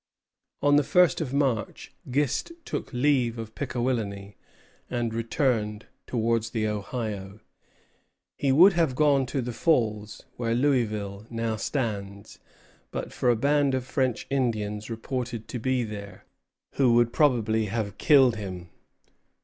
On the first of March Gist took leave of Pickawillany, and returned towards the Ohio. He would have gone to the Falls, where Louisville now stands, but for a band of French Indians reported to be there, who would probably have killed him.